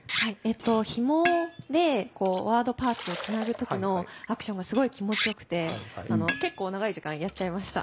ひもでワードパーツをつなぐ時のアクションがすごい気持ちよくて結構長い時間やっちゃいました。